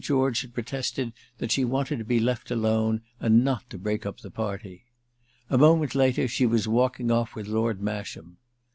George had protested that she wanted to be left alone and not to break up the party. A moment later she was walking off with Lord Masham.